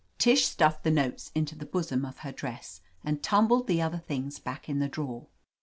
Tish stuffed the notes into the bosom of her dress and tumbled the other things back in. ) the dmwer.